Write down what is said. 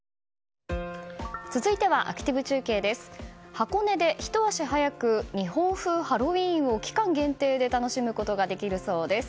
箱根でひと足早く日本風ハロウィーンを期間限定で楽しむことができるそうです。